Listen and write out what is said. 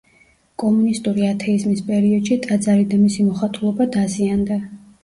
კომუნისტური ათეიზმის პერიოდში ტაძარი და მისი მოხატულობა დაზიანდა.